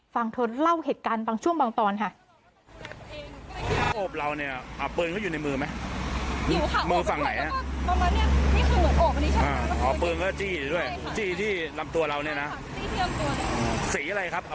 ฟังเธอเล่าเหตุการณ์บางช่วงบางตอนค่ะ